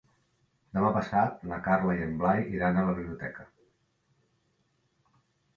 Demà passat na Carla i en Blai iran a la biblioteca.